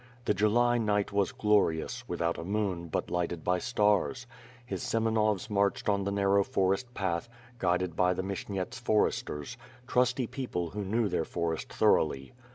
The July night was glorious, without a moon but lighted by stars. His Semenovs marched on the narrow forest path, guided by the Mshyniets foresters; trusty people who knew their forest thoroughly.